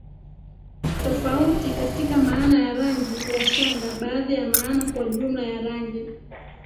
tofauti katika maana ya rangi ya shanga baadhi ya maana kwa jumla ya rangi